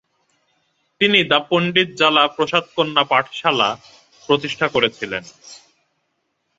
তিনি 'দ্য পণ্ডিত জ্বালা প্রসাদ কন্যা পাঠশালা' প্রতিষ্ঠা করেছিলেন।